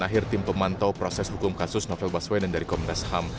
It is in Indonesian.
akhir tim pemantau proses hukum kasus novel baswedan dari komnas ham